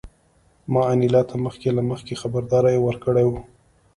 ما انیلا ته مخکې له مخکې خبرداری ورکړی و